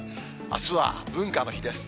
あすは文化の日です。